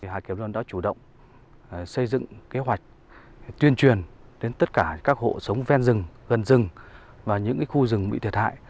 hạt kiểm lâm đã chủ động xây dựng kế hoạch tuyên truyền đến tất cả các hộ sống ven rừng gần rừng và những khu rừng bị thiệt hại